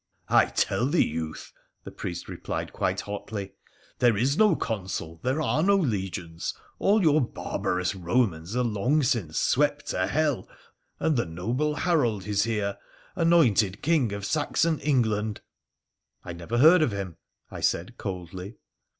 ' I tell thee, youth,' the priest replied quite hotly, ' there is no Consul, there are no legions. All your barbarous Romans are long since swept to hell, and the noble Harold is here anointed King of Saxon England.' ' I never heard of him,' I said coldly.